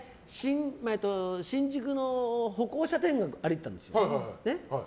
新宿の歩行者天国を歩いてたんですよ。